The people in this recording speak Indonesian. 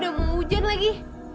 udah mau hujan lagi